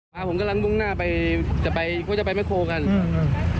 พาผมกำลังมุ่งหน้าไปจะไปก็จะไปแคลกันอืม